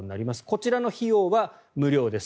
こちらの費用は無料です。